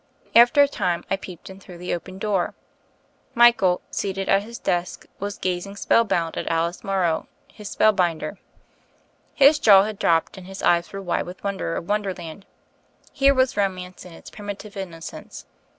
After a time I peeped in through the open door. Michael, seated at his desk, was gazing spellbound at Alice Morrow, his spellbinder. His jaw had dropped, and his eyes were wide with the won 30 THE FAIRY OF THE SNOWS 31 ■ der of wonderland. Here was Romance in its primitive innocence.